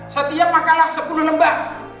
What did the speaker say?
setiap makalah sepuluh lembah